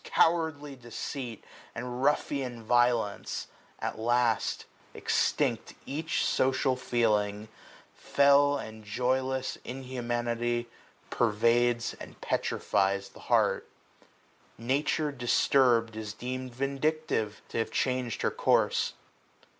Coward deceit, and ruffian violence : At last, extinct ^ch social feeling, fell And joyless inhumanity pervades 305 And petrifies the heart* Nature disturb'd Is deem'd vindictive, to have changed her course.